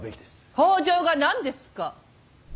北条が何ですか。